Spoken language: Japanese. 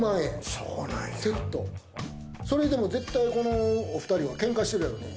それでも絶対このお２人はけんかしてるやろうね。